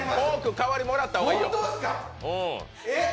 代わりもらった方がいいよ。